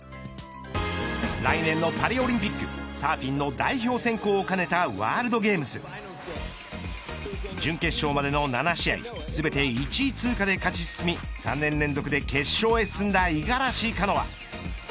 来年のパリオリンピックサーフィンの代表選考を兼ねたワールドゲームズ準決勝までの７試合全て１位通過で勝ち進み３年連続で決勝へ進んだ五十嵐カノア。